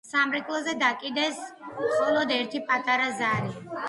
სამრეკლოზე დაკიდეს მხოლოდ ერთი პატარა ზარი.